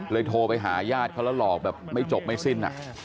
โทรไปหาญาติเขาแล้วหลอกแบบไม่จบไม่สิ้น